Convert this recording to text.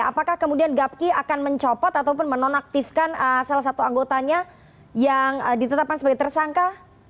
apakah kemudian gapki akan mencopot ataupun menonaktifkan salah satu anggotanya yang ditetapkan sebagai tersangka